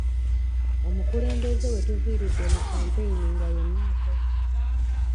Omukulembeze wetuviiridde mu kampeyini nga yenna akozze